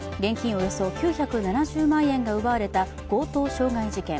およそ９７０万円が奪われた強盗傷害事件。